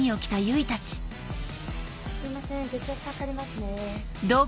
すいません血圧測りますね。